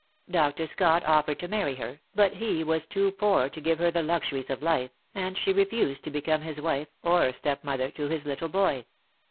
Dr. Scott offered to marry her, but he was too poor to give her the luxuries of life, and she refused to become his wife or step mother to his little boy.